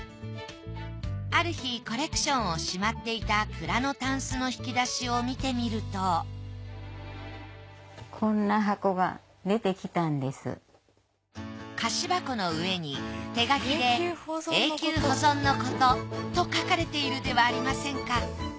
ある日コレクションをしまっていた蔵のタンスの引き出しを見てみると菓子箱の上に手書きで「永久保存ノ事」と書かれているではありませんか。